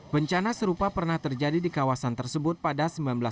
bencana serupa pernah terjadi di kawasan tersebut pada seribu sembilan ratus sembilan puluh